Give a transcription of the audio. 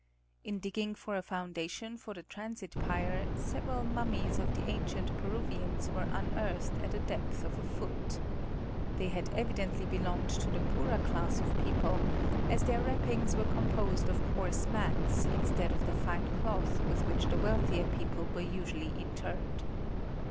. In digging for a foundation for the transit pier, several mummies of the ancient Peruvians were unearthed at a depth of a foot. They had evidently belonged to the poorer class of people, as their wrappings were composed of coarse mats, instead of the fine cloth with which the wealthier people were usually interred.